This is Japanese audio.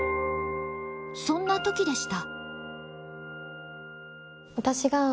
そんなときでした。